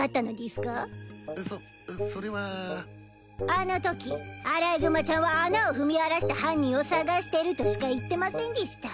あのときアライグマちゃんは「穴を踏み荒らした犯人を捜してる」としか言ってませんでぃした。